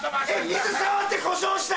水触って故障した！